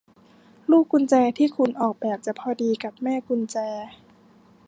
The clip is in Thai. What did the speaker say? ลูกกุญแจที่คุณออกแบบจะพอดีกับแม่กุญแจ